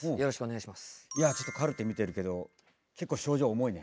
いやちょっとカルテ見てるけど結構症状重いね。